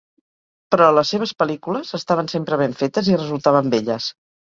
Però, les seves pel·lícules estaven sempre ben fetes i resultaven belles.